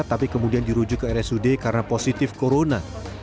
tapi kemudian dirujuk ke rsud karena positif corona